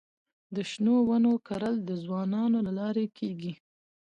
د شنو ونو کرل د ځوانانو له لارې کيږي.